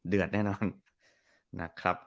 เดือดแน่นอน